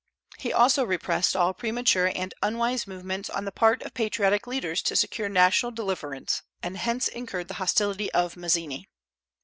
He also repressed all premature and unwise movements on the part of patriotic leaders to secure national deliverance, and hence incurred the hostility of Mazzini.